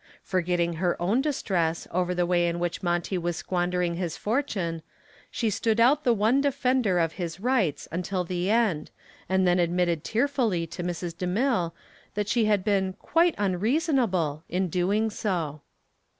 Forgetting her own distress over the way in which Monty was squandering his fortune, she stood out the one defender of his rights until the end and then admitted tearfully to Mrs. DeMille that she had been "quite unreasonable" in doing so.